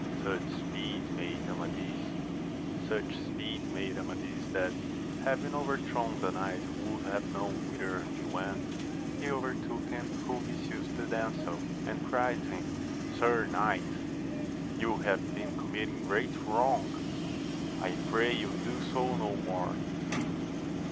UCH speed made Amadis, that, having over thrown the knight who would Jiave known whither he went, he overtook him who misused the damsel, and cried to him. Sir knight, you have been committing great wrong: I pray you do so no more.